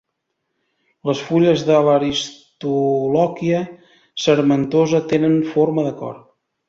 Les fulles de l'aristolòquia sarmentosa tenen forma de cor.